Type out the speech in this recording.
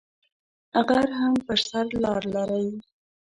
غر هم پر سر لار لری